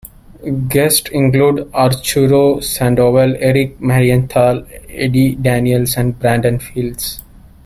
Guests include Arturo Sandoval, Eric Marienthal, Eddie Daniels, and Brandon Fields.